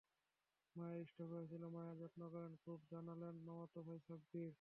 মায়ের স্ট্রোক হয়েছিল, মায়ের যত্ন করেন খুব, জানালেন মামাতো ভাই সাব্বির।